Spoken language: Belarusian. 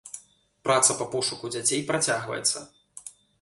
Праца па пошуку дзяцей працягваецца.